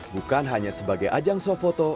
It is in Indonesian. bukan hanya sebagai ajang swafoto